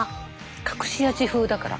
隠し味風だから。